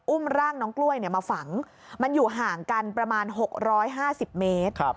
ร่างน้องกล้วยมาฝังมันอยู่ห่างกันประมาณ๖๕๐เมตร